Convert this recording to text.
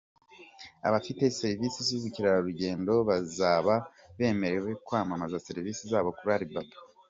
Abafite serivisi z’ubukerarugendo bazaba bemerewe kwamamaza serivisi zabo kuri Alibaba.